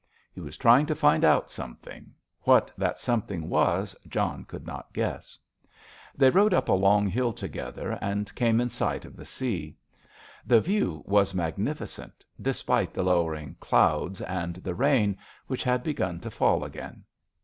He was trying to find out something—what that something was John could not guess. They rode up a long hill together and came in sight of the sea. The view was magnificent, despite the lowering clouds and the rain, which had begun to fall again.